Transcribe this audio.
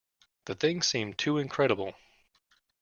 The thing seemed too incredible.